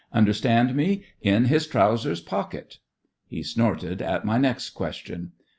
Under stand me? In his trousers pocket." He snorted at my next question.